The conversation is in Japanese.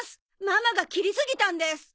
ママが切りすぎたんです。